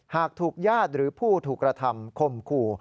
หากถูกญาติหรือผู้ถูกกระทำคมคู่